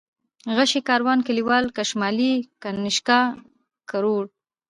غشى ، کاروان ، کليوال ، کشمالی ، كنيشكا ، کروړ